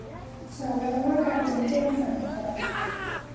ศาลาว่าการกรุงเทพมหานคร